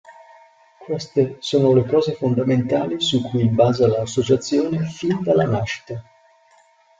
Queste sono le cose fondamentali su cui basa l'associazione fin dalla nascita.